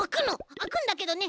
あくんだけどね